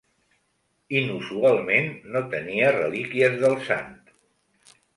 Inusualment, no tenia relíquies del sant.